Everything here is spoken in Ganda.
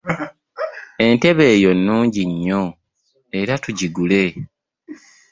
Entebe eyo nnungi nnyo era tugigule.